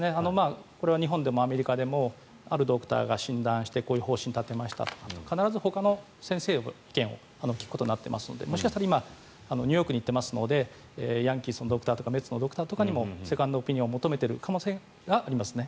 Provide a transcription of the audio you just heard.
日本でもアメリカでもあるドクターが診断してこういう方針を立てましたと必ずほかの先生の意見を聞くことになってますのでもしかしたら今ニューヨークに行ってますのでヤンキースのドクターとかメッツのドクターにもセカンドオピニオンを求めている可能性がありますね。